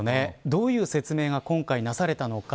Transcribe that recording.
どういう説明が今回なされたのか。